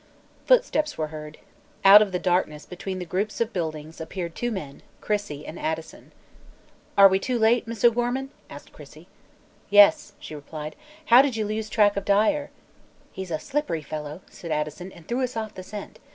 Footsteps were heard. Out of the darkness between the group of buildings appeared two men, Crissey and Addison. "Are we too late, Miss O'Gorman?" asked Crissey. "Yes," she replied. "How did you lose track of Dyer?" "He's a slippery fellow," said Addison, "and threw us off the scent.